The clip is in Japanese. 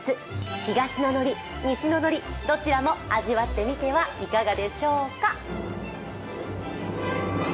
東ののり、西ののりどちらも味わってみてはいかがでしょうか。